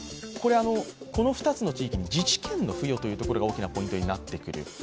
この２つの地域に自治権の付与というのが大きなポイントになってくる。